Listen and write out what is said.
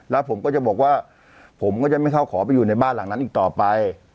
แล้วผมก็จะบอกว่าผมก็จะไม่เข้าขอไปอยู่ในบ้านหลังนั้นอีกต่อไป